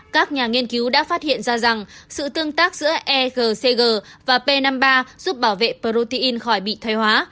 các nhà nghiên cứu đã phát hiện ra rằng sự tương tác giữa egcg và p năm mươi ba giúp bảo vệ protein khỏi bị thoái hóa